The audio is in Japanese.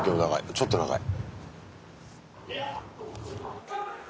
ちょっと長い。